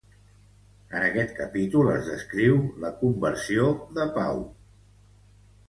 En aquest capítol es descriu la conversió de Pau.